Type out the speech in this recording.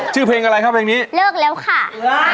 ชื่อเพลงอะไรครับเพลงนี้เลิกแล้วค่ะ